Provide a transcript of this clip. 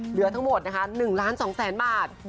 เหลือทั้งหมดนะคะ๑ล้าน๒แสนบาท